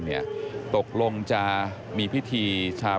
พบหน้าลูกแบบเป็นร่างไร้วิญญาณ